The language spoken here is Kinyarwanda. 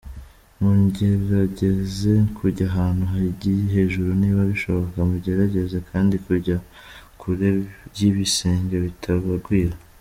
Mugerageze kujya ahantu higiye hejuru niba bishoboka, mugerageze kandi kujya kure y’ibisenge bitabagwira.